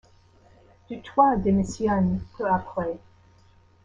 Dutoit démissionne peu après.